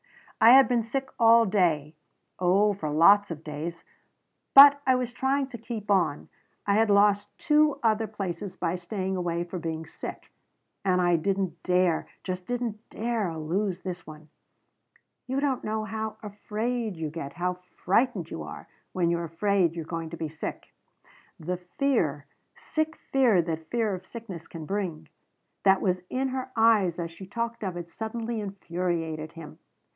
"I had been sick all day oh, for lots of days. But I was trying to keep on. I had lost two other places by staying away for being sick and I didn't dare just didn't dare lose this one. You don't know how afraid you get how frightened you are when you're afraid you're going to be sick." The fear sick fear that fear of sickness can bring that was in her eyes as she talked of it suddenly infuriated him.